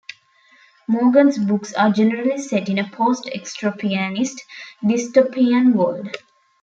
Morgan's books are generally set in a post-extropianist dystopian world.